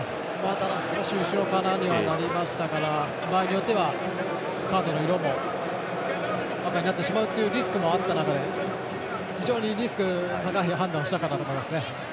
ただ少し後ろからになりましたから場合によってはカードの色も赤になってしまうというリスクもあった中で非常にリスク高い判断をしたかなと思いますね。